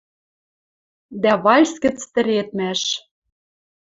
Дӓ вальс гӹц тӹредмӓш